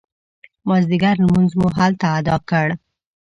مازدیګر لمونځ مو هلته اداء کړ.